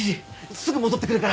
すぐ戻ってくるから。